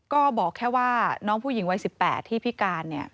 ก็บอกแค่ว่าน้องผู้หญิงวัย๑๘ที่พิการเนี่ย